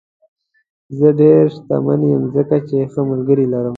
زه ډېر شتمن یم ځکه چې ښه ملګري لرم.